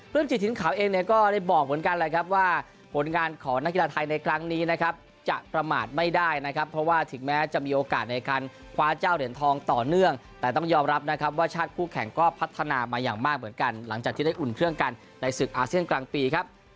จิตถิ่นขาวเองเนี่ยก็ได้บอกเหมือนกันแหละครับว่าผลงานของนักกีฬาไทยในครั้งนี้นะครับจะประมาทไม่ได้นะครับเพราะว่าถึงแม้จะมีโอกาสในการคว้าเจ้าเหรียญทองต่อเนื่องแต่ต้องยอมรับนะครับว่าชาติคู่แข่งก็พัฒนามาอย่างมากเหมือนกันหลังจากที่ได้อุ่นเครื่องกันในศึกอาเซียนกลางปีครับ